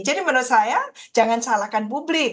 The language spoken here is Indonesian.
jadi menurut saya jangan salahkan publik